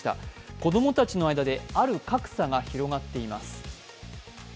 子供たちの間で、ある格差が広がっています。